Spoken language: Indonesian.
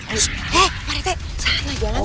aduh eh parete sana jangan ya